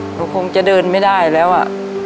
คงจะเดินไม่ได้แล้วอ่ะ